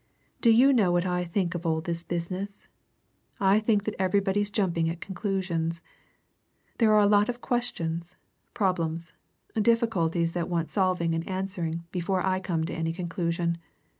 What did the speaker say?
"Do you know what I think of all this business? I think that everybody's jumping at conclusions. There are lots of questions, problems, difficulties that want solving and answering before I come to any conclusion.